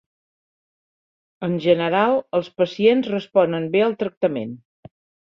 En general, els pacients responen bé al tractament.